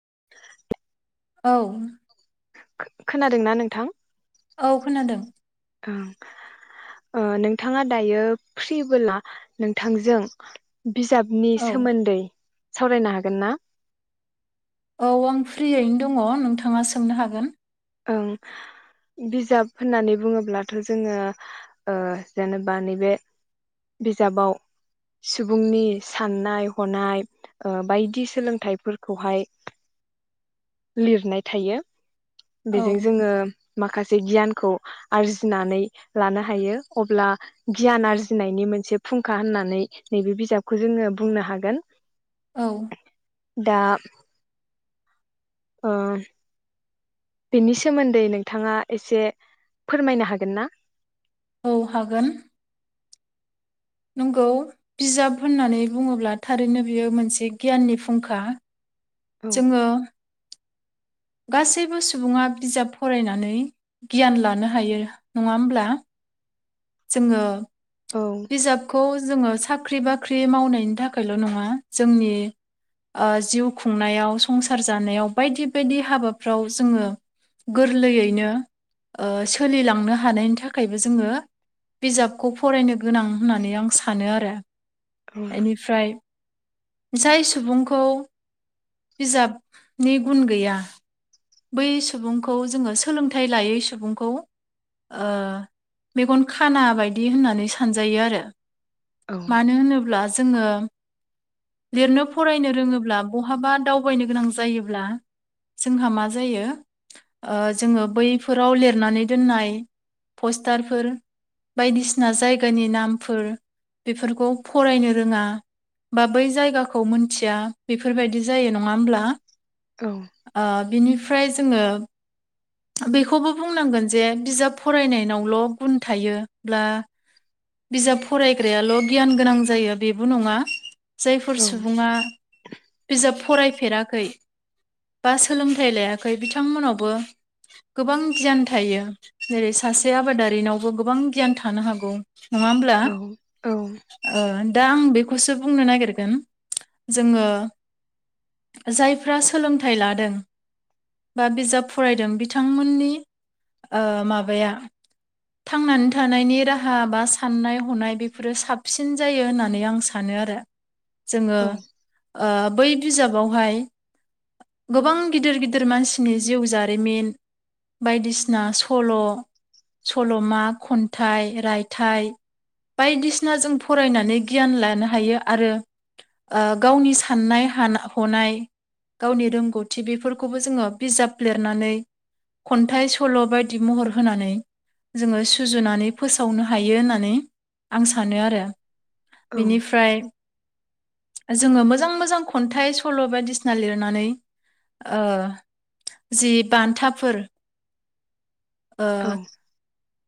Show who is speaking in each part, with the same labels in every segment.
Speaker 1: [inaudible]
Speaker 2: औ
Speaker 1: खोनादोंना नोंथां
Speaker 2: औ खोनादों
Speaker 1: ओं ओ नोंथाङा दायो फ्रिबोला नोंथांजों बिजाबनि
Speaker 2: औ
Speaker 1: सोमोन्दै सावरायनो हागोन ना
Speaker 2: औ आं फ्रियैनो दङ नोंथाङा सोंनो हागोन
Speaker 1: ओं बिजाब होननानै बुङोब्लाथ' जोङो ओ जेनेबा नैबे बिजाबाव सुबुंनि साननाय हनाय बायदि ओ सोलोंथाइफोरखौहाय लिरनाय थायो
Speaker 2: औ
Speaker 1: बेजों जोङो माखासे गियानखौ आरजिनानै लानो हायो अब्ला गियान आरजिनायनि मोनसे फुंखा होननानै नैबे बिजाबखौ जोङो बुंनो हागोन।
Speaker 2: औ
Speaker 1: दा ओ बेनि सोमोन्दै नोंथाङा एसे फोरमायनो हागोनना
Speaker 2: औ हागोन नंगौ बिजाब होननानै बुङोब्ला थारैनो बियो मोनसे गियाननि फुंखा
Speaker 1: औ
Speaker 2: जोङो गासैबो सुबुङा बिजाब फरायनानै गियान लानो हायो नङा होमब्ला जोङो
Speaker 1: औ
Speaker 2: बिजाबखौ जोङो साख्रि बाख्रि मावनायनि थाखायल' नङा जोंनि ओ जिउ खुंनायाव संसार जानायाव बायदि बायदि हाबाफ्राव जोङो गोरलैयैनो सोलिलांनो हानायनि थाखायबो जोङो बिजाबखौ फरायनो गोनां होननानै आं सानोआरो
Speaker 1: औ
Speaker 2: बेनिफ्राय जाय सुबुंखौ बिजाबनि गुन गैया बै सुबुंखौ जोङो सोलोंथाइ लायै सुबुंखौ ओ मेगन खाना बायदि होननानै सानजायो आरो
Speaker 1: औ
Speaker 2: मानो होनोब्ला जोङो लिरनो फरायनो रोङोब्ला बहाबा दावबायनो गोनां जायोब्ला जोंहा मा ज जायो जोङो बैफोराव लिरनानै दोननाय पस्टारफोर बायदिसिना जायगानि नामफोर बेफोरखौ फरायनो रोङा बा बै जायगाखौ मोनथिया बेफोरबायदि जायो नङा होमब्ला
Speaker 1: औ
Speaker 2: आ बिनि मफ्राय जोङो बेखौबो बुंनांगोन जे बिजाब फरायनायनावल' गुन थायोब्लाब्ला बिजाब फरायग्रायाल' गियान गोनां जायो बेबो नङा जायफोर
Speaker 1: औ
Speaker 2: सुबुङा बिजाब फरायफेराखै बा सोलोंथाइ लाया थाखै बिथांमोनावबो गोबां गियान थायो जेरै सासे आबादारिनावबो गोबां गियान थानो हागौ नङा होमब्ला
Speaker 1: औ औ
Speaker 2: ओ दा आं बेखौसो बुंनो नागिरगोन जोङो जायफ्रा सोलोंथाइ लादों। बा बिजाब फरायदों बिथांमोननि ओ माबाया थांनानै थानायनि राहा बा साननाय हनाय बेफोरो साबसिन जायो होननानै आं सानो आरो जोङो ओ। बै बिजाबावहाय गोबां गिदिर गिदिर मानसिनि जिउ जारिमिन बायदिसिना सल' सल'मा खन्थाइ रायथाइ बायदिसिना जों फरायनानै गियान लानो हायो आरो ओ गावनि साननाय हनाय गावनि रोंगौथि। थि बेफोरखौबो जोङो बिजाब लिरनानै खन्थाइ सल' बायदि महर होनानै जोङो सुजुनानै फोसावनो हायो होननानै आं सानो आरो। बिनिफ्राय जोङो मोजां मोजां खन्थाइ सल' बायदिसिना लिरनानै ओ जि बान्थाफोर ओ
Speaker 1: औ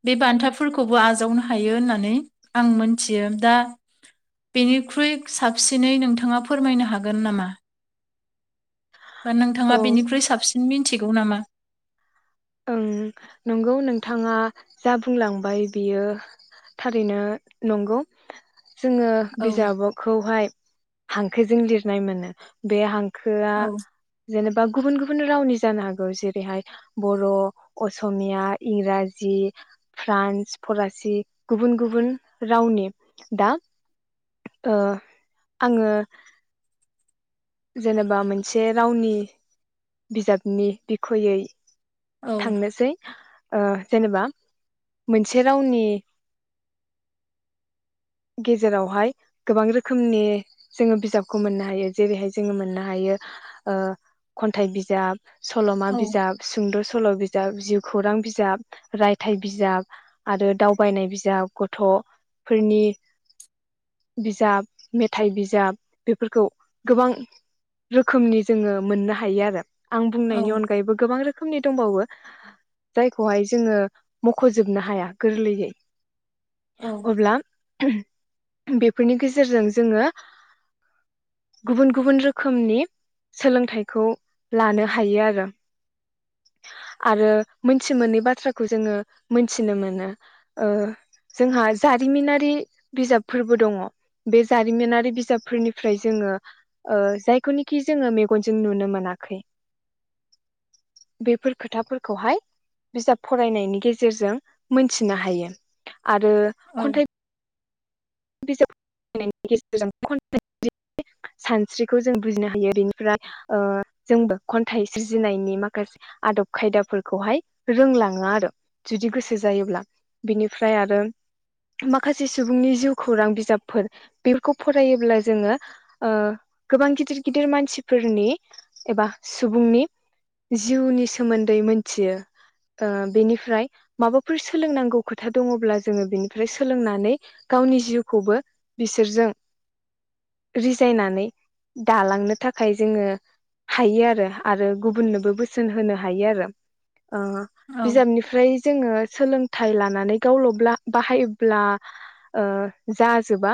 Speaker 2: बे बान्थाफोरखौबो आजावनो हायो होननानै आं मोनथियो दा बेनिख्रुइ साबसिनै नोंथाङा फोरमायनो हागोन नामा। बा नोंथाङा
Speaker 1: औ
Speaker 2: बेनिख्रुइ साबसिन मिथिगौ नगौ नामा
Speaker 1: ओं नंगौ नोंथाङा जा बुंलांबाय बियो थारैनो नंगौ जोङो
Speaker 2: औ
Speaker 1: बिजाबखौहाय हांखोजों लिरनाय मोनो बे हांखो हांखोआ
Speaker 2: औ
Speaker 1: जेनेबा बा गुबुन गुबुन रावनि जानो हागौ जेरैहाय बर' असमिया इंराजि फ्रान्स फरासि गुबुन गुबुन रावनि दा आङो जेनेबा मोनसे रावनि बिजाबनि बिखयै
Speaker 2: औ
Speaker 1: थांनोसै जेनेबा मोनसे रावनि गेजेरावहाय गोबां रोखोमनि जोङो बिजाबखौ मोननो हायो जेरैहाय जोङो मोननो हायो खन्थाइ बिजाब सल'मा
Speaker 2: औ
Speaker 1: बिजाब सुंद' सल' बिजाब जिउ खौरां बिजाब रायथाइ बिजाब आरो दावबायनाय बिजाब गथ'फोरनि बिजाब मेथाइ बिजाब बेफोरखौ गोबां रोखोमनि जोङो मोननो हायो आरो आं बुंनायनि
Speaker 2: औ
Speaker 1: अनगायैबो गोबां रोखोमनि दंबावो जायखौहाय जोङो मख'जोबनो हाया गोरलैयै
Speaker 2: औ
Speaker 1: अब्ला बेफोरनि गेजेरजों जोङो गुबुन गुबुन रोखोमनि सोलोंथाइखौ लानो हायो आरो आरो मोनथि मोनै बाथ्राखौ जोङो मोनथिनो मोनो ओ जोंहा जारिमिनारि बिजाबफोरबो दङ बे जारिमिनारि बिजाबफोरनिफ्राय जोङो ओ जायखौनिखि जोङो मेगनजों नुनो मोनाखै बेफोर खोथाफोरखौहाय बिजाब फरायनायनि गेजेरजों मोनथिनो हायो आरो
Speaker 2: औ
Speaker 1: खन्थाइ बिजाब फनायनि गेजेरजों खन्थाइ सानस्रिखौ जों बुजिनो हायो बेनिफ्राय ओ जोंबो खन्थाइ सोरजिनायनि माखासे आदब खायदाफोरखौहाय रोंलाङो आरो जुदि गोसो जायोब्ला बिनिफ्राय आरो माखासे सुबुंनि जिउ खौरां बिजाबफोर बेफोरखौ फरायोब्ला जोङो ओ गोबां गिदिर गिदिर मानसिफोरनि एबा सुबुंनि जिउनि सोमोन्दै मोनथियो ओ बेनिफ्राय माबाफोर सोलोंनांगौ खोथा दङब्ला जोङो बेनिफ्राय सोलोंनानै गावनि जिउखौबो बिसोरजों रिजायनानै दालांनो थाखाय जोङो हायो आरो आरो गुबुननोबो बोसोन होनो हायो आरो ओ बिजाबनिफ्राय जोङो सोलोंथाइ लानानै गावलब्ला बाहायोब्ला ओ जाजोबा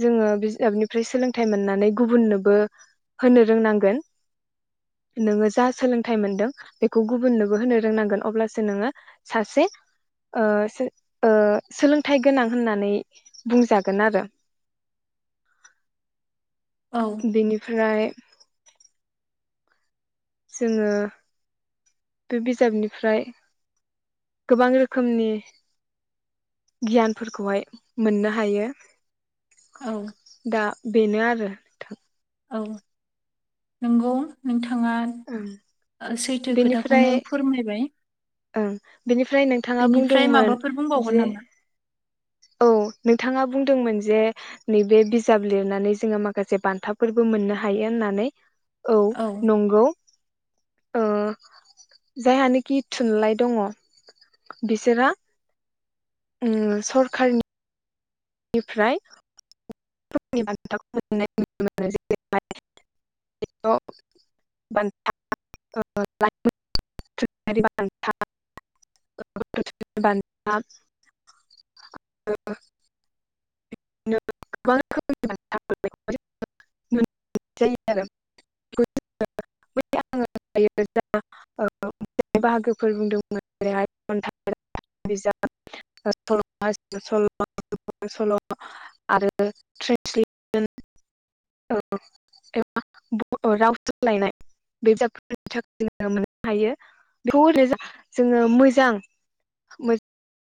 Speaker 1: जोङो बिजाबनिफ्राय सोलोंथाइ मोननानै गुबुननोबो होनो रोंनांगोन। नोङो जा सोलोंथाइ मोनदों बेखौ गुबुननोबो होनो रोंनांगोन अब्लासो नोङो सासे ओ सो ओ सोलोंथाइ गोनां होननानै बुंजागोन आरो
Speaker 2: औ
Speaker 1: बेनिफ्राय जोङो बे बिजाबनिफ्राय गोबां रोखोमनि गियानफोरखौहाय मोननो हायो। दा बेनो आरो नोंथां।
Speaker 2: औ नंगौ नोंथां।
Speaker 1: ओं बेनिफ्राय
Speaker 2: खोथाखौनो फोरमायबाय
Speaker 1: ओं बेनिफ्राय नोंथाङा
Speaker 2: बेनिफ्राय
Speaker 1: बुंदोंमोन
Speaker 2: माबाफोर बुंबावगोन
Speaker 1: जे
Speaker 2: नामा
Speaker 1: औ नोंथाङा बुंदोंमोन जे नैबे बिजाब लिरनानै जोङो माखासे बान्थाफोरबो मोननो हायो होननानै। औ नंगौ। ओ जायहानाखि थुनलाइ दङ बिसोरा ओं सरखारनि निफ्राय [unintelligible] [unintelligible] बिदिनो गोबां रोखोमनि बान्था मोननायखौ जों नुनो मोननाय जायो आरो [unintelligible] बाहागोफोर बुंदोंमोन जेरैहाय खन्थाइ, रायथाइ, बिजाब, सल' सल'मा [unintelligible] बर'रावाव सोलाय [unintelligible] जोङो मोजां